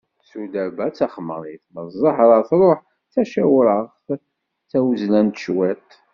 Sudaba d taxemrit ma d zahra truḥ d tacawraɣt d tawezlant cwiṭ.